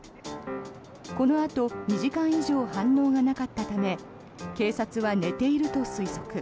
このあと２時間以上反応がなかったため警察は寝ていると推測。